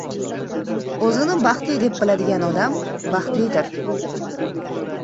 O‘zini baxtli deb biladigan odam baxtlidir.